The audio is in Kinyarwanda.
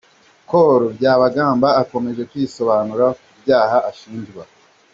Col Byabagamba akomeje kwisobanura ku byaha ashinjwa.